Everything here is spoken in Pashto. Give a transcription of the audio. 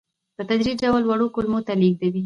په تدریجي ډول وړو کولمو ته لېږدوي.